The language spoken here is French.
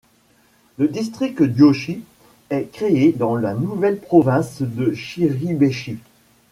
Le district d'Yoichi est créé dans la nouvelle province de Shiribeshi.